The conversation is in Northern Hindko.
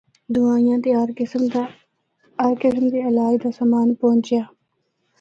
دوائیاں تے ہر قسم دے علاج دا سامان پہنچیا۔